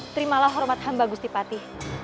terimalah hormat hamba gusti patih